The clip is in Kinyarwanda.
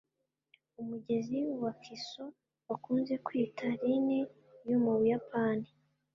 Umugezi wa Kiso bakunze kwita Rhine yo mu Buyapani.